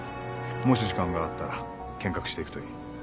もし時間があったら見学していくといい。